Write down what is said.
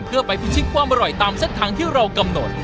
เพื่อไปพิชิตความอร่อยตามเส้นทางที่เรากำหนด